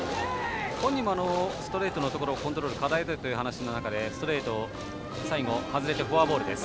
本人もストレートのところコントロールが課題だという話の中でストレート、最後外れてフォアボールです。